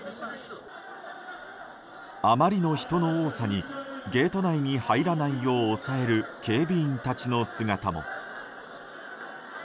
あまりの人の多さにゲート内に入らないよう抑える警備員たちの姿も。